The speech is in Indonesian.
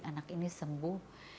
anak ini sembuh